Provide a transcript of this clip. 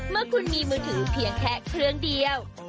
เมื่อคุณมีมือถือเพียงแค่เครื่องเดียว